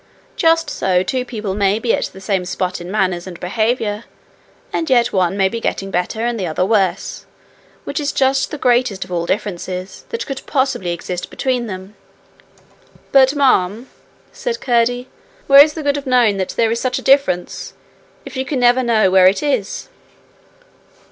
Just so two people may be at the same spot in manners and behaviour, and yet one may be getting better and the other worse, which is just the greatest of all differences that could possibly exist between them.' 'But ma'am,' said Curdie, 'where is the good of knowing that there is such a difference, if you can never know where it is?'